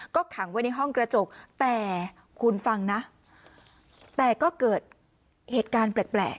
ก็ขังไว้ในห้องกระจกแต่คุณฟังนะแต่ก็เกิดเหตุการณ์แปลก